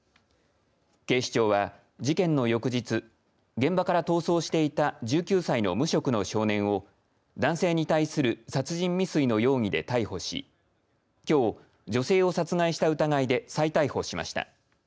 警視庁は事件の翌日現場から逃走していた１９歳の無職の少年を男性に対する殺人未遂の容疑で逮捕しきょう、女性を殺害した疑いで再逮捕しました。